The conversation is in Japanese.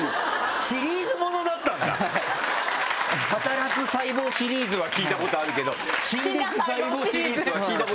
『はたらく細胞』シリーズは聞いたことあるけど「死んでいく細胞」シリーズは聞いたことないわ。